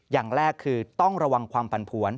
อย่างแรกคือต้องระวังความผันผวน